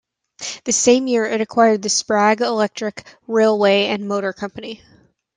The same year, it acquired the Sprague Electric Railway and Motor Company.